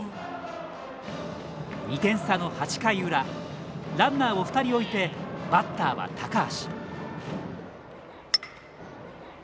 ２点差の８回裏ランナーを２人置いてバッターは高橋。